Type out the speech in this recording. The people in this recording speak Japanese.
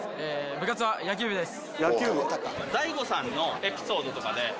部活は野球部です。